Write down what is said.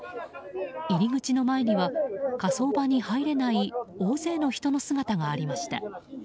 入口の前には火葬場に入れない大勢の人の姿がありました。